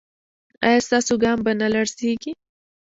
ایا ستاسو ګام به نه لړزیږي؟